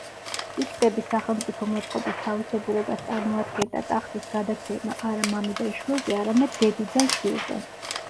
პიქტების სახელმწიფო მოწყობის თავისებურებას წარმოადგენდა ტახტის გადაცემა არა მამიდან შვილზე, არამედ დედიდან შვილზე.